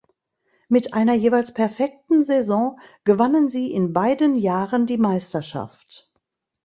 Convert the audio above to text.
Mit einer jeweils perfekten Saison gewannen sie in beiden Jahren die Meisterschaft.